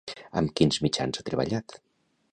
Amb quins mitjans ha treballat?